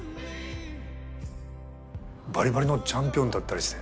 バリバリのチャンピオンだったりして。